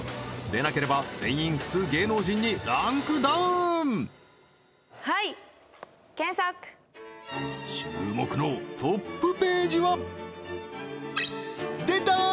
でなければ全員普通芸能人にランクダウンはい検索注目のトップページは出たー！